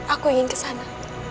aku ingin ke sana